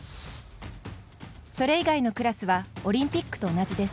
それ以外のクラスはオリンピックと同じです。